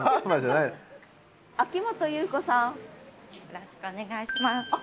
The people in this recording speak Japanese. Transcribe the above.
よろしくお願いします。